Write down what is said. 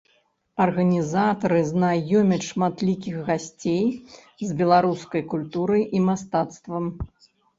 Арганізатары знаёмяць шматлікіх гасцей з беларускай культурай і мастацтвам.